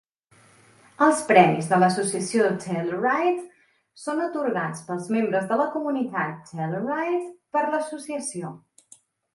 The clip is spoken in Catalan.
Els premis de l'Associació Telluride són atorgats als membres de la comunitat Telluride per l'Associació.